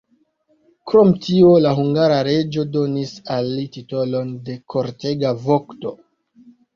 Krom tio la hungara reĝo donis al li titolon de kortega vokto.